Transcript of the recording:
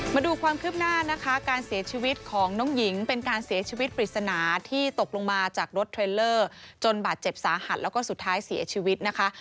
มาดูความคืบหน้านะคะการเสียชีวิตของน้องหญิงเป็นการเสียชีวิตปริศนาที่ตกลงมาจากรถเทรลเลอร์จนบาดเจ็บสาหัสแล้วก็สุดท้ายเสียชีวิตนะคะ